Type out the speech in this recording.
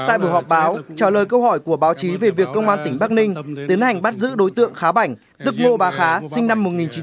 tại buổi họp báo trả lời câu hỏi của báo chí về việc công an tỉnh bắc ninh tiến hành bắt giữ đối tượng khá bảnh tức ngô bà khá sinh năm một nghìn chín trăm tám mươi